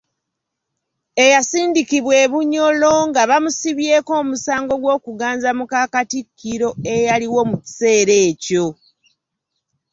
Eyasindikibwa e Bunyoro nga bamusibyeko omusango gw’okuganza muka Katikkiro eyaliwo mu kiseera ekyo.